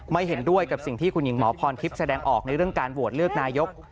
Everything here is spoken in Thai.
เห็นด้วยกับสิ่งที่คุณหญิงหมอพรทิพย์แสดงออกในเรื่องการโหวตเลือกนายก